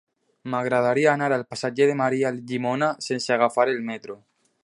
M'agradaria anar al passatge de Maria Llimona sense agafar el metro.